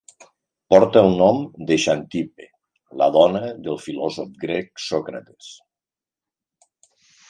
Porta el nom de Xanthippe, la dona del filòsof grec Sòcrates.